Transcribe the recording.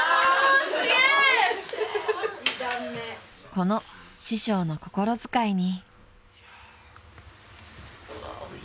［この師匠の心遣いに］